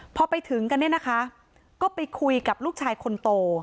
พอไปถึงกันเนี่ยนะคะก็ไปคุยกับลูกชายคนโต